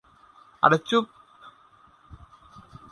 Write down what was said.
আরে চুপ!